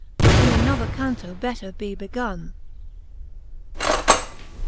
Will in an other Canto better be begonne.